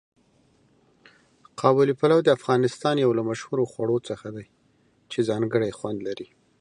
قابلي پلو د افغانستان یو له مشهورو خواړو څخه دی چې ځانګړی خوند لري.